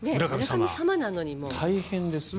大変ですよ。